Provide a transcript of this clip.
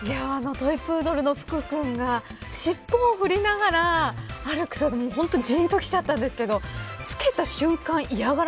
トイプードルの福くんが尻尾を振りながら歩く姿じーんときちゃったんですけど着けた瞬間